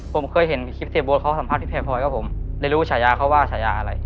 ผมเคยเห็นคลิปเตย์โบสถ์เขาสำหรับพี่แพร่พลอยครับผมได้รู้ชายาเขาว่าชายาอะไร